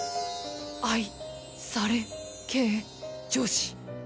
愛され系女子！